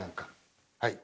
はい。